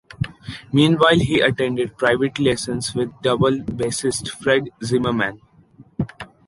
Meanwhile, he attended private lessons with double bassist Fred Zimmerman.